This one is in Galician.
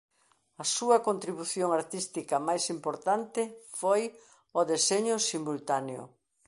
A súa contribución artística máis importante foi o deseño "simultáneo".